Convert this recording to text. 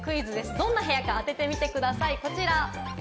どんな部屋か当ててみてください、こちら。